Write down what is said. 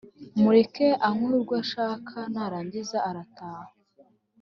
Mureke anywe urwo ashaka narangiza arataha